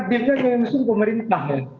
dia nyusung pemerintah